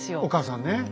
お母さんね。